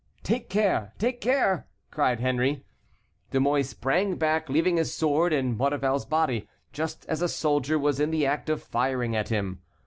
"Take care! Take care!" cried Henry. De Mouy sprang back, leaving his sword in Maurevel's body, just as a soldier was in the act of firing at him.